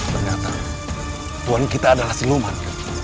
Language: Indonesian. ternyata tuhan kita adalah senyuman